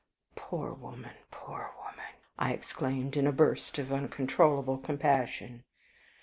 "Poor woman, poor woman!" I exclaimed, in a burst of uncontrollable compassion.